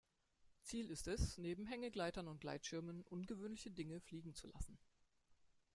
Ziel ist es, neben Hängegleitern und Gleitschirmen, ungewöhnliche Dinge fliegen zu lassen.